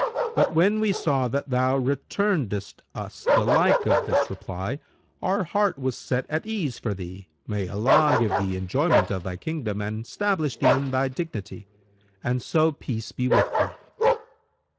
But, when we saw that thou returnedest us the like of this reply, our heart was set at ease for thee, may Allah give thee enjoyment[FN#179] of thy kingdom and stablish thee in thy dignity! And so peace be with thee."